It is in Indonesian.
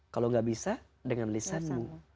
kalau gak bisa dengan lisanmu